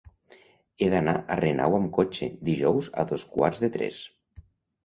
He d'anar a Renau amb cotxe dijous a dos quarts de tres.